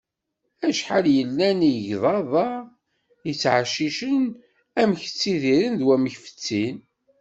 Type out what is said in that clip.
Acḥal yellan d igḍaḍ-a i yettɛeccicen, amek ttidiren d wamek fettin.